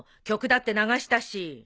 曲だって流したし。